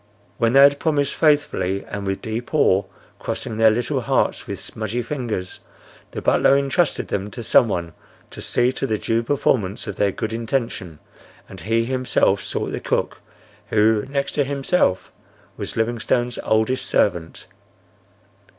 When they had promised faithfully and with deep awe, crossing their little hearts with smudgy fingers, the butler entrusted them to some one to see to the due performance of their good intention, and he himself sought the cook, who, next to himself, was Livingstone's oldest servant.